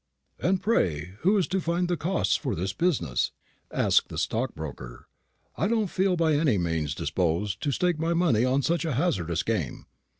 "And pray, who is to find the costs for this business?" asked the stockbroker. "I don't feel by any means disposed to stake my money on such a hazardous game.